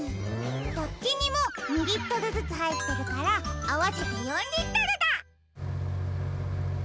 どっちにも２リットルずつはいってるからあわせて４リットルだ！